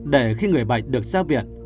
để khi người bệnh được giao viện